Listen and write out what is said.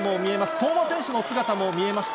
相馬選手の姿も見えました。